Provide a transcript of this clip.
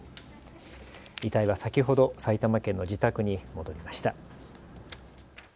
遺体は先ほど埼玉県の自宅に戻りました。